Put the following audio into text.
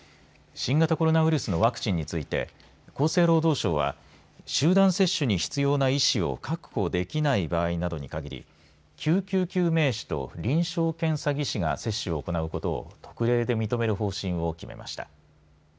新型コロナウイルスのワクチンについて厚生労働省は集団接種に必要な意志を確保できない場合などにかぎり救急救命士と臨床検査技師が接種を行うことを特例で認める方針を決めました。